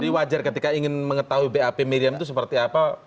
jadi wajar ketika ingin mengetahui bap miriam itu seperti apa